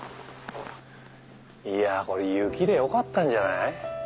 いやこれ雪でよかったんじゃない？